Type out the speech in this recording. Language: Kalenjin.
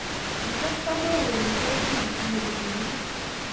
Kichop Kamau amitwogik che kinyei pilipilik